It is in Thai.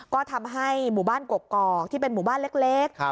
ก็ทำให้หมู่บ้านกกอกที่เป็นหมู่บ้านเล็ก